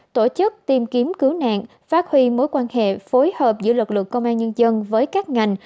tổ chức tìm kiếm cứu nạn phát huy mối quan hệ phối hợp giữa lực lượng công an nhân dân với các ngành